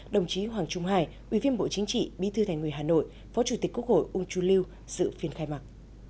đồng chí hoàng trung hải ủy viên bộ chính trị bí thư thành người hà nội phó chủ tịch quốc hội uông chu lưu dự phiên khai mạc